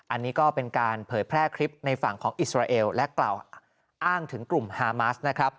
อันนี้ก็เป็นการเผยแพร่คลิปในฝั่งของอิสราเอลและกล่าวอ้างถึงกลุ่มฮามัสนะครับ